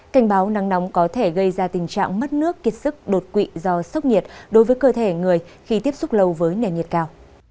cảnh báo nắng nóng có thể gây ra tình trạng mất nước kiệt sức đột quỵ do sốc nhiệt đối với cơ thể người khi tiếp xúc lâu với nền nhiệt cao